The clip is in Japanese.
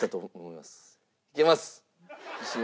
いけます。